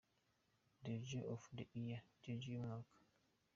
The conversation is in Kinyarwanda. Deejay of the year: Deejay w’umwaka.